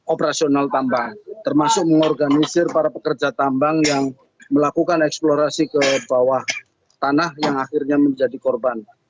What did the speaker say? operasional tambang termasuk mengorganisir para pekerja tambang yang melakukan eksplorasi ke bawah tanah yang akhirnya menjadi korban